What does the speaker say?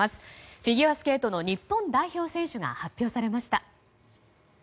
フィギュアスケートの日本代表選手が発表されました。